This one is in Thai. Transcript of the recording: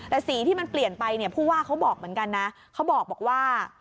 แต่สีที่มันเปลี่ยนไปผู้ว่าเขาบอกเหมือนกันนะ